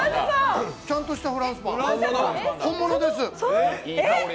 ちゃんとしたフランスパン本物です。